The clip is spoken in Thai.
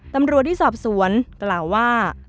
ตำรวจที่สอบสวนกล่าวว่า